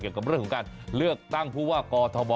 เกี่ยวกับเรื่องของการเลือกตั้งผู้ว่ากอทม